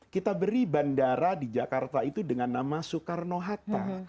kita beri bandara di jakarta itu dengan nama soekarno hatta